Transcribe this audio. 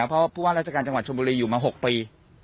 เพราะผู้ว่าราชการจังหวัดชมบุรีอยู่มา๖ปี